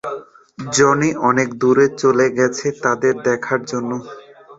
Johnny অনেক দূরে চলে গেছে তাদের দেখার জন্য।